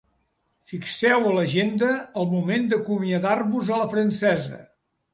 Fixeu a l'agenda el moment d'acomiadar-vos a la francesa.